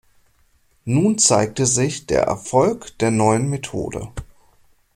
Nun zeigte sich der Erfolg der neuen Methode.